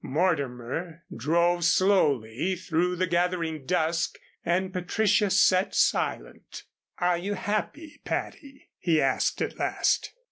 Mortimer drove slowly through the gathering dusk and Patricia sat silent. "Are you happy, Patty?" he asked, at last.